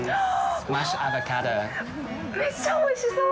めっちゃおいしそう！